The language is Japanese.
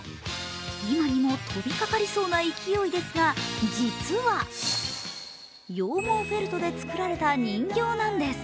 今にも飛びかかりそうな勢いですが実は羊毛フェルトで作られた人形なんです。